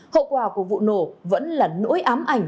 hậu quả của vụ nổ vẫn là nỗi ám ảnh